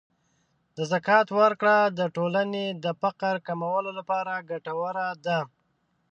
د زکات ورکړه د ټولنې د فقر کمولو لپاره ګټوره ده.